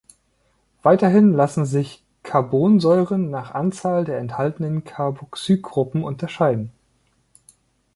Weiterhin lassen sich Carbonsäuren nach Anzahl der enthaltenen Carboxygruppen unterscheiden.